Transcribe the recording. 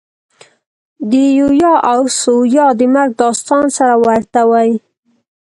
د یویا او ثویا د مرګ داستان سره ورته وي.